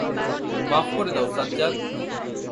মাফ করে দাও সাজ্জাদ!